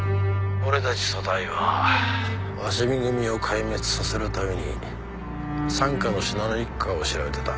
俺たち組対は鷲見組を壊滅させるために傘下の信濃一家を調べてた。